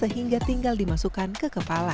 sehingga tinggal dimasukkan ke kepala